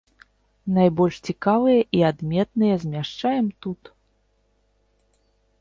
Найбольш цікавыя і адметныя змяшчаем тут.